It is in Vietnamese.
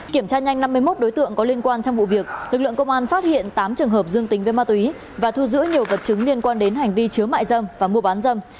kiểm tra nhanh năm mươi một đối tượng có liên quan trong vụ việc lực lượng công an phát hiện tám trường hợp dương tính với ma túy và thu giữ nhiều vật chứng liên quan đến hành vi chứa mại dâm và mua bán dâm